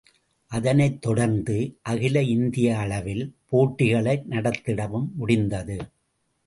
அதனைத் தொடர்ந்து, அகில இந்திய அளவில் போட்டிகளை நடத்திடவும் முடிந்தது.